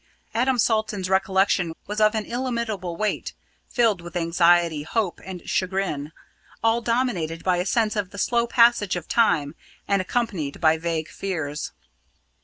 Adam Salton's recollection was of an illimitable wait, filled with anxiety, hope, and chagrin, all dominated by a sense of the slow passage of time and accompanied by vague fears.